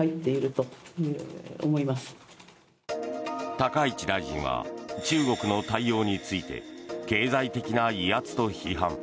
高市大臣は中国の対応について経済的な威圧と批判。